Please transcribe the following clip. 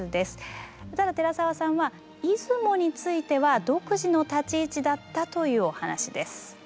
ただ寺澤さんは出雲については独自の立ち位置だったというお話です。